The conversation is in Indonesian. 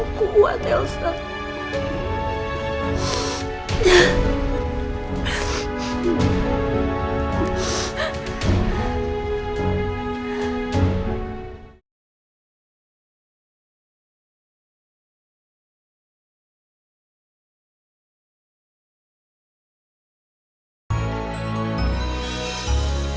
aku gak akan maafin mereka